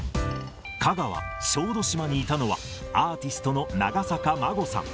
香川・小豆島にいたのは、アーティストの長坂真護さん。